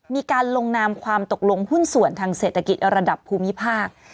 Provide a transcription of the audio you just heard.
มีการลงนามความตกลงหุ้นส่วนทางเศรษฐกิจระดับภูมิภาค